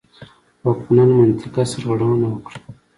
واکمنان منطقه سرغړونه وکړي.